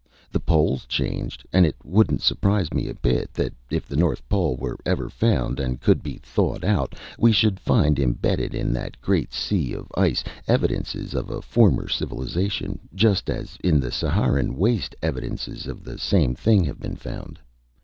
The poles changed, and it wouldn't surprise me a bit that, if the north pole were ever found and could be thawed out, we should find embedded in that great sea of ice evidences of a former civilization, just as in the Saharan waste evidences of the same thing have been found.